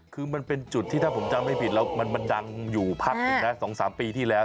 คือมันเป็นจุดที่ถ้าผมจำไม่ผิดแล้วมันดังอยู่พักหนึ่งนะ๒๓ปีที่แล้ว